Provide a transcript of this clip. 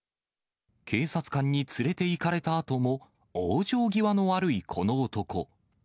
警察官に連れていかれたあとも、往生際の悪いこの男。